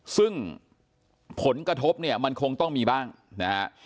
ซึ่งผลกระทบเนี่ยมันคงต้องมีบ้างนะฮะ